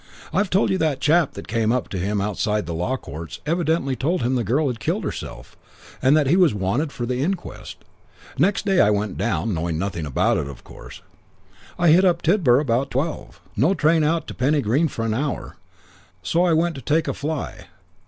"I've told you that chap that came up to him outside the Law Courts evidently told him the girl had killed herself and that he was wanted for the inquest. Next day I went down, knowing nothing about it, of course. I hit up Tidborough about twelve. No train out to Penny Green for an hour, so I went to take a fly.